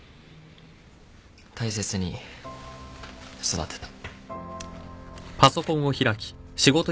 大切に育てた。